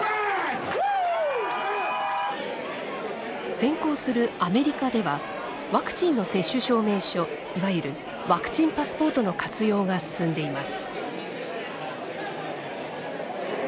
先行するアメリカではワクチンの接種証明書いわゆるワクチンパスポートの活用が進んでいます。